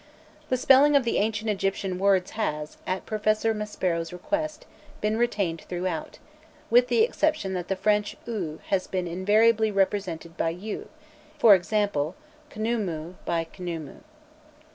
The spelling of the ancient Egyptian words has, at Professor Maspero's request, been retained throughout, with the exception that the French ou has been invariably represented by û, e.g. Khnoumou by Khnûmû.